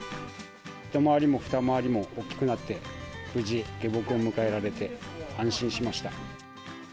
一回りも二回りも大きくなって、無事、げぼくを迎えられて、安心しました。